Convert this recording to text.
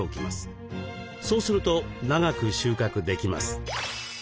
そうすると長く収穫できます。